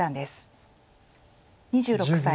２６歳。